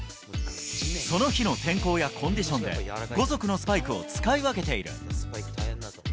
その日の天候やコンディションで、５足のスパイクを使い分けている。